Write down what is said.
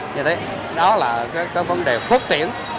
như thế đó là cái vấn đề phốt triển